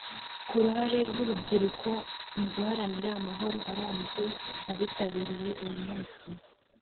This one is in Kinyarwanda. Ku ruhare rw urubyiruko mu guharanira amahoro arambye abitabiriye uyu munsi